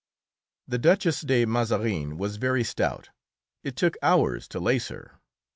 The Duchess de Mazarin was very stout; it took hours to lace her.